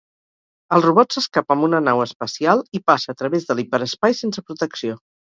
El robot s'escapa amb una nau espacial, i passa a través de l'hiperespai sense protecció.